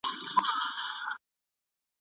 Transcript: د ميرمني پر نيمګړتياوو صبر کول الهي امر دی